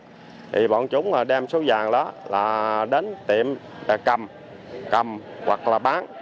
thì bọn chúng đem số vàng đó là đến tiệm cầm hoặc là bán